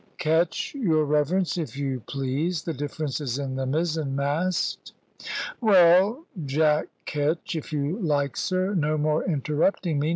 "Ketch, your reverence, if you please. The difference is in the mizzen mast." "Well, Jack Ketch, if you like, sir. No more interrupting me.